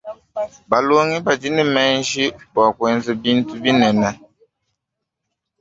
Balongi badi ne menji bua kuenza bintu binene.